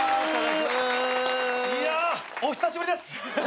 いやお久しぶりです。